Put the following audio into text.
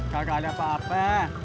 gak ada apa apa